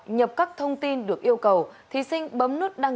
nhập các thông tin được yêu cầu